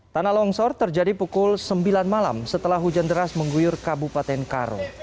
tanah longsor terjadi pukul sembilan malam setelah hujan deras mengguyur kabupaten karo